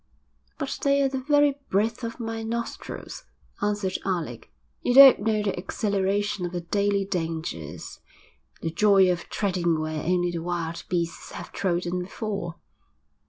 'But they're the very breath of my nostrils,' answered Alec. 'You don't know the exhilaration of the daily dangers, the joy of treading where only the wild beasts have trodden before.'